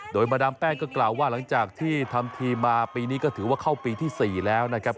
โดยมาดามแป้งก็กล่าวว่าหลังจากที่ทำทีมมาปีนี้ก็ถือว่าเข้าปีที่๔แล้วนะครับ